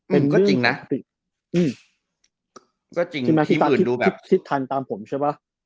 เป็นเรื่องน่าติดอืมจริงทีมอื่นดูแบบใช่ไหมคิดทันตามผมใช่ไหม